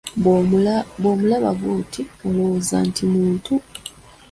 Bw’omulaba bw’oti olowooza nti muntu.